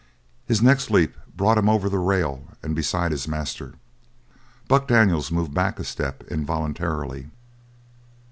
His next leap brought him over the rail and beside his master. Buck Daniels moved back a step involuntarily.